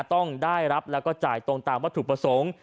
ต้องได้รับแล้วก็จ่ายตรงตามวัตถุประสงค์